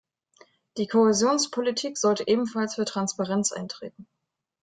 Die Kohäsionspolitik sollte ebenfalls für Transparenz eintreten.